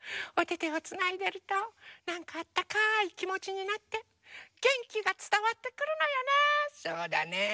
おててをつないでるとなんかあったかいきもちになってげんきがつたわってくるのよね。